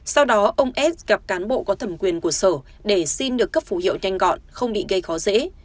sau đó ông s gặp cán bộ có thẩm quyền của sở để xin được cấp phủ hiệu nhanh gọn không bị gây khó dễ